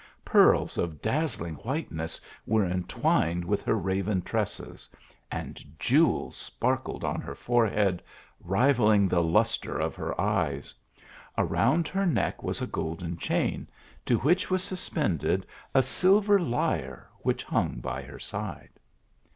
Pearls of dazzling whiteness Were entwined with her raven tresses ; and jewels sparkled on her torehead, rivalling the lustre of her eyes. Around her neck was a golden chain, to which was suspended a silver lyre which hung by her side.